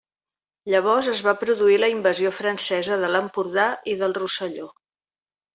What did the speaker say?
Llavors es va produir la invasió francesa de l’Empordà i del Rosselló.